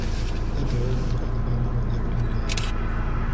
تَدْعُو مَنْ أَدْبَرَ وَتَوَلَّى